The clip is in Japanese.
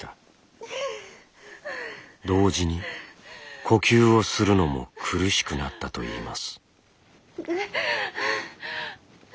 同時に呼吸をするのも苦しくなったといいます。